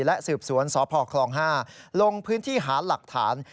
และสืบสวนสพคลอง๕ลงพื้นที่หาหลักฐาน